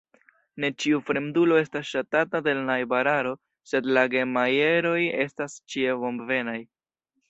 Ne ĉiu fremdulo estas ŝatata de la najbararo, sed la Gemajeroj estas ĉie bonvenaj.